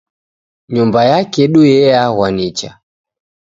Nyumba yakedu yeaghwa nicha